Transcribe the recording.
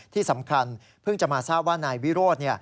ที่สำคัญเพิ่งจะมาทราบว่านายวิโรธ